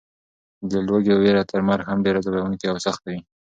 د لوږې وېره تر مرګ هم ډېره ځوروونکې او سخته وي.